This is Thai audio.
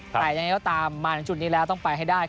แต่ยังไงก็ตามมาถึงจุดนี้แล้วต้องไปให้ได้